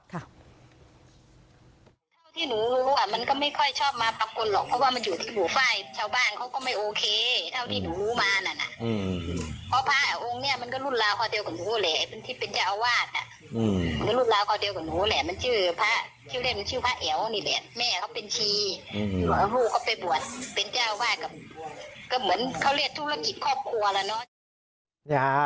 พระรูปเขาไปบวชเป็นเจ้าว่าก็เหมือนเขาเรียกธุรกิจครอบครัวแล้วเนอะ